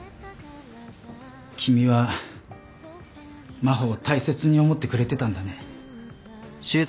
君は真帆を大切に思ってくれてたんだね。